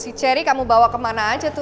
si cherry kamu bawa kemana aja tuh